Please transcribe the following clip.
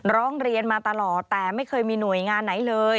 ร้องเรียนมาตลอดแต่ไม่เคยมีหน่วยงานไหนเลย